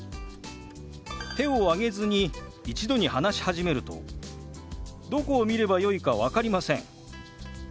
手を挙げずに一度に話し始めるとどこを見ればよいか分かりません。